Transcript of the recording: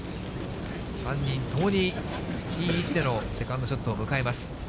３人ともに、いい位置でのセカンドショットを迎えます。